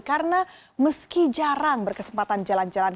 karena meski jarang berkesempatan jalan jalan